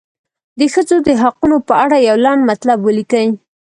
د ښځو د حقونو په اړه یو لنډ مطلب ولیکئ.